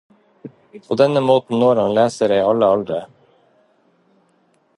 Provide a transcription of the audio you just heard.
På denne måten når han lesere i alle aldre.